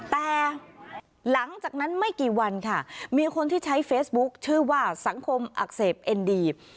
แต่หลังจากนั้นไม่กี่วันค่ะมีคนที่ใช้เฟซบุ๊คชื่อว่าสังคมอักเสบเอ็นดีฟ